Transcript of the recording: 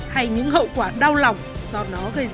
hay những hậu quả đau lòng do nó gây ra